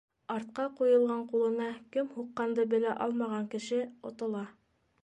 Артҡа ҡуйылған ҡулына кем һуҡҡанды белә алмаған кеше отола.